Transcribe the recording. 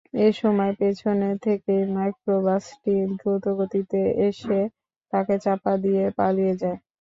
এ সময় পেছন থেকে মাইক্রোবাসটি দ্রুতগতিতে এসে তাকে চাপা দিয়ে পালিয়ে যায়।